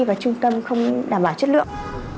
và trung tâm không đảm bảo chất lượng